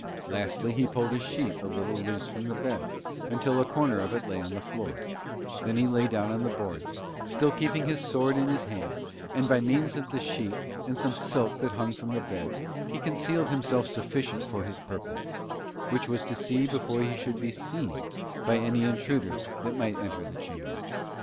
Lastly he pulled a sheet a little loose from the bed, until a corner of it lay on the floor; then he lay down on the boards, still keeping his sword in his hand, and by means of the sheet and some silk that hung from the bed, he concealed himself sufficient for his purpose, which was to see before he should be seen by any intruder that might enter that chamber.